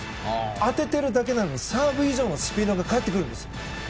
当ててるだけなのにサーブ以上のスピードが返ってくるんです。